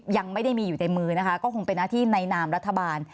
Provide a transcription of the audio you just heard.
ยังไม่ได้มีอยู่ในมือนะคะก็คงเป็นหน้าที่ในนามรัฐบาล